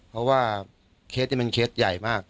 เพราะว่าเกจนี่มันเกจใหญ่มาก